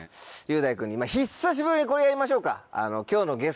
雄大君に久しぶりにこれやりましょうか。